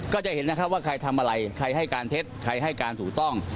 ก็จะเห็นนะครับว่าใครทำอะไรใครให้การเท็จใครให้การถูกต้อง